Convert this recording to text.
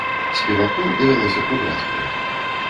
Спеваку давялося прыбраць плот.